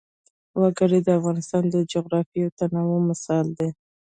وګړي د افغانستان د جغرافیوي تنوع مثال دی.